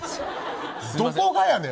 どこがやねん！